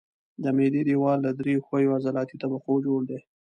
د معدې دېوال له درې ښویو عضلاتي طبقو جوړ دی.